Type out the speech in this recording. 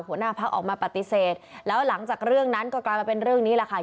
หัวหน้าพักออกมาปฏิเสธแล้วหลังจากเรื่องนั้นก็กลายมาเป็นเรื่องนี้แหละค่ะ